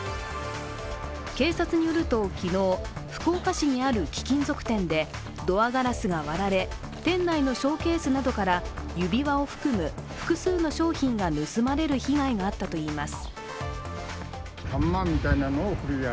警察によると昨日、福岡市にある貴金属店でドアガラスが割られ、店内のショーケースなどから指輪を含む複数の商品が盗まれる被害があったといいます。